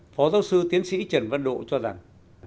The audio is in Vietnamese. phó giáo sư tiến sĩ trần văn độ cho rằng